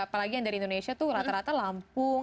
apalagi yang dari indonesia tuh rata rata lampung